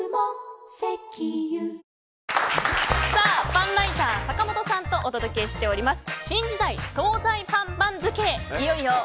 パンライター坂本さんとお届けしております